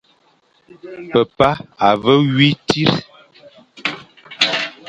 Pepa a ve wui tsit.